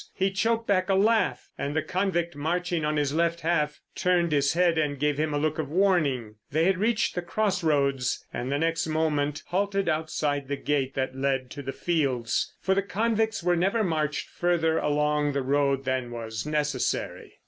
He choked back a laugh, and the convict marching on his left half turned his head and gave him a look of warning. They had reached the cross roads and the next moment halted outside the gate that led to the fields—for the convicts were never marched further along the road than was necessary.